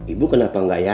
ibu kenapa nggak yakin